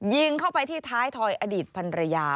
ยิงเข้าไปที่ท้ายถอยอดีตพันรยา